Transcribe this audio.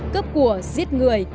cướp cùa giết người